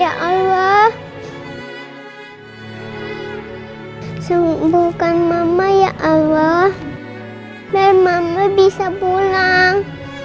ya allah bukan mama ya allah dan mama bisa pulang